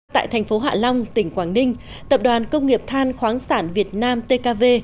tại thành phố hạ long tỉnh quảng ninh tập đoàn công nghiệp than khoáng sản việt nam tkv